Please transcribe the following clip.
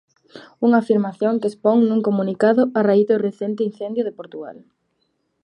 Unha afirmación que expón nun comunicado a raíz dos recente incendio de Portugal.